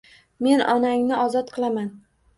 Men onangni ozod qilaman.